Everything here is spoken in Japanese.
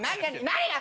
何が！？